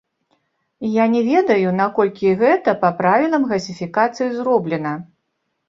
Я не ведаю, наколькі гэта па правілам газіфікацыі зроблена.